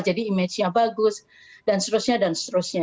jadi image nya bagus dan seterusnya dan seterusnya